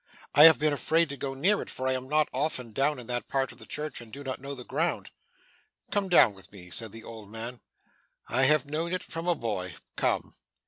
'I have been afraid to go near it; for I am not often down in that part of the church, and do not know the ground.' 'Come down with me,' said the old man. 'I have known it from a boy. Come!